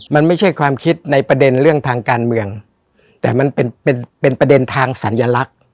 มันไม่ใช่ความคิดในประเด็นเรื่องทางการเมืองแต่มันเป็นเป็นประเด็นทางสัญลักษณ์